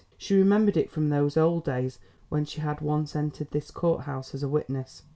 She remembered it from those old days when she had once entered this courthouse as a witness.